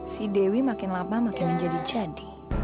si dewi makin lama makin menjadi jadi